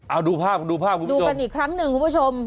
เอาดูภาพดูภาพคุณผู้ชมดูกันอีกครั้งหนึ่งคุณผู้ชม